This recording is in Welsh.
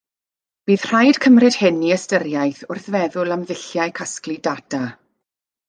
Bydd rhaid cymryd hyn i ystyriaeth wrth feddwl am ddulliau casglu data